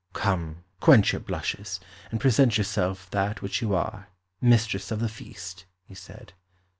"Come, quench your blushes, and present yourself that which you are, mistress of the feast," he said.